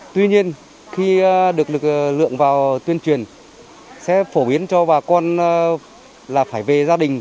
tuy nhiên khi được lực lượng vào tuyên truyền sẽ phổ biến cho bà con là phải về gia đình